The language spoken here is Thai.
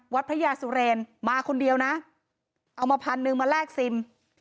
พระยาสุเรนมาคนเดียวนะเอามาพันหนึ่งมาแลกซิม